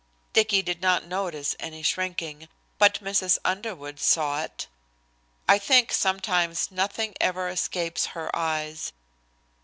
Dicky did not notice any shrinking, but Mrs. Underwood saw it. I think sometimes nothing ever escapes her eyes.